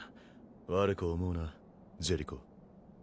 悪く思うなジェリコ。